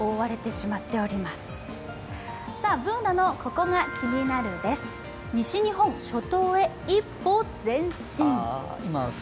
Ｂｏｏｎａの「ココがキニナル」です西日本初冬へ一歩前進。